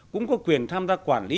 cũng có quyền tham gia quản lý